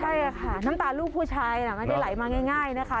ใช่ค่ะน้ำตาลูกผู้ชายไม่ได้ไหลมาง่ายนะคะ